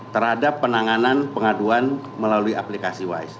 terhadap penanganan pengaduan melalui aplikasi wise